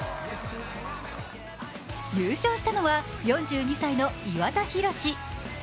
優勝したのは、４２歳の岩田寛。